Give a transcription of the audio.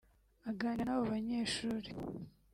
Aganira n’abo banyeshuri